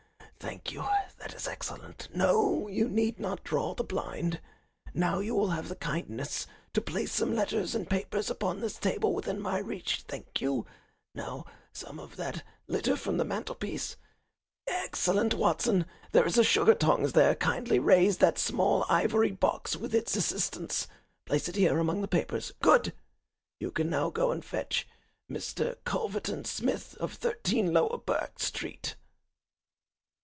Thank you, that is excellent. No, you need not draw the blind. Now you will have the kindness to place some letters and papers upon this table within my reach. Thank you. Now some of that litter from the mantelpiece. Excellent, Watson! There is a sugar tongs there. Kindly raise that small ivory box with its assistance. Place it here among the papers. Good! You can now go and fetch Mr. Culverton Smith, of 13 Lower Burke Street."